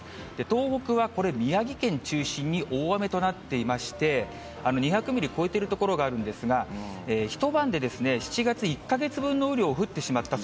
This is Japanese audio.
東北はこれ、宮城県中心に大雨となっていまして、２００ミリ超えている所があるんですが、一晩で７月１か月分の雨量降ってしまった。